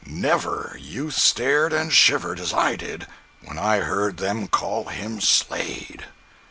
Never youth stared and shivered as I did when I heard them call him SLADE!